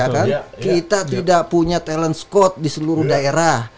kita tidak punya talent scott di seluruh daerah